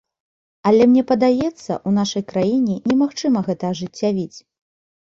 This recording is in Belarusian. Але мне падаецца, у нашай краіне немагчыма гэта ажыццявіць.